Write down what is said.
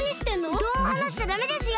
うどんをはなしちゃダメですよ！